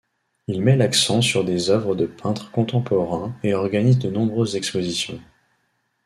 Il met l'accent sur des œuvres de peintres contemporains et organise de nombreuses expositions.